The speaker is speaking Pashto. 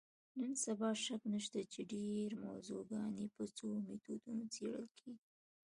نن سبا شک نشته چې ډېری موضوعګانې په څو میتودونو څېړل کېږي.